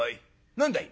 何だい？」。